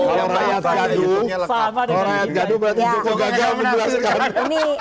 kalau rakyat gaduh berarti joko gagal menjelaskan